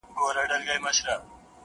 چي هغه ستا سيورى له مځكي ورك سو.